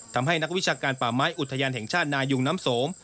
ทำให้นักวิชาการป่าไม้อุทยานแห่งชาตินายุงน้ำสม